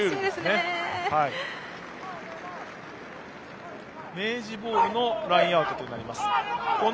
ですから、明治ボールのラインアウトに変わります。